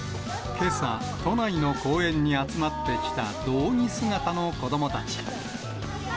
けさ、都内の公園に集まってきた道着姿の子どもたち。